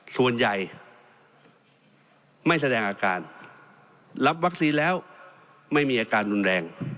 ส่วนใหญ่ไม่แสดงอาการรับวัคซีนแล้วไม่มีอาการรุนแรง